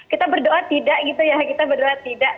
kita berdoa tidak gitu ya kita berdoa tidak